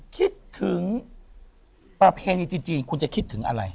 คิดถึงประเพณีจีนคุณจะคิดถึงอะไร